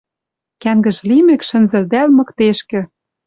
Кӓнгӹж лимӹк шӹнзӹлдӓл мыктешкӹ